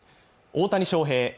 大谷翔平